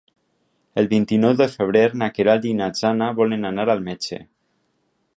El vint-i-nou de febrer na Queralt i na Jana volen anar al metge.